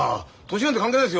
年なんて関係ないですよ。